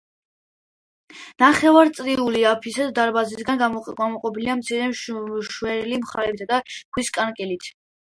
ნახევარწრიული აფსიდი დარბაზისგან გამოყოფილია მცირე შვერილი მხრებითა და ქვის კანკელით.